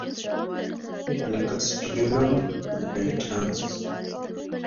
لکه سپیریلوم ولټانس.